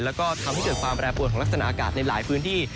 แล้วก็ทำให้เกิดความแปรปวดของลักษณะอากาศในหลายพื้นที่